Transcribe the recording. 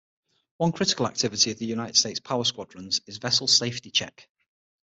One critical activity of the United States Power Squadrons is Vessel Safety Check.